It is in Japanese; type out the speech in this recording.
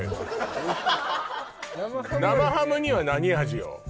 生ハムには何味よ